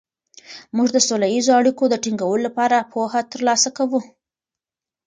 موږ د سوله ییزو اړیکو د ټینګولو لپاره پوهه ترلاسه کوو.